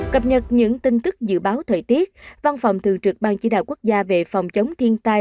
cập nhật những tin tức dự báo thời tiết văn phòng thường trực ban chỉ đạo quốc gia về phòng chống thiên tai